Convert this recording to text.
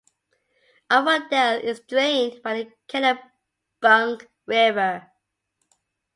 Arundel is drained by the Kennebunk River.